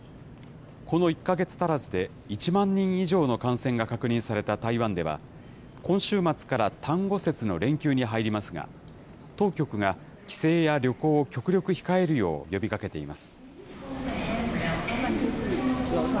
この１か月足らずで１万人以上の感染が確認された台湾では、今週末から端午節の連休に入りますが、当局が帰省や旅行を極力控えるよう呼びかけています。